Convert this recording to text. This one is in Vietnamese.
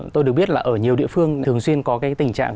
tôi được biết là ở nhiều địa phương thường xuyên có cái tình trạng